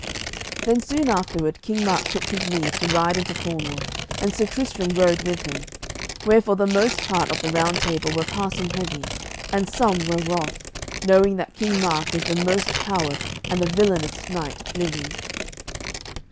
Then soon afterward King Mark took his leave to ride into Cornwall, and Sir Tristram rode with him; wherefore the most part of the Round Table were passing heavy, and some were wroth, knowing that King Mark was the most coward and the villainest knight living.